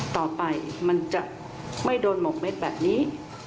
ต่อไปมันจะไม่โดนหมกเม็ดแบบนี้